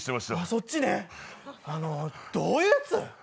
そっちね、どういうやつ？